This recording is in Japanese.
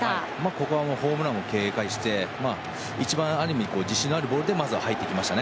ここはホームランを警戒して一番自信のあるボールで入ってきました。